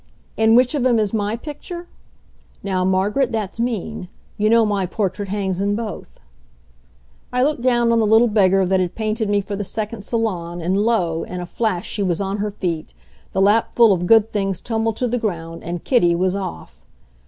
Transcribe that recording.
In which of 'em is my picture? Now, Margaret, that's mean. You know my portrait hangs in both. I looked down on the little beggar that had painted me for the second salon, and lo, in a flash she was on her feet, the lapful of good things tumbled to the ground, and Kitty was off.